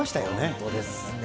本当ですね。